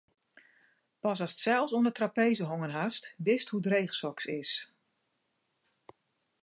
Pas ast sels oan 'e trapeze hongen hast, witst hoe dreech soks is.